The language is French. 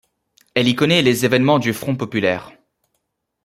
Elle y connaît les événements du Front populaire.